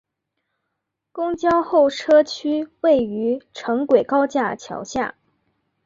公交候车区位于城轨高架桥下。